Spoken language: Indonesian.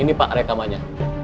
ini pak rekamannya